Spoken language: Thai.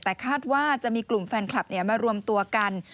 แต่คาดว่าจะมีกลุ่มแฟนคลับมารวมตัวกัน